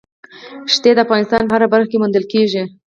ښتې د افغانستان په هره برخه کې موندل کېږي.